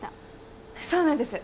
そうなんです。